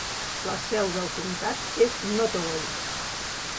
La seu del comtat és Nottoway.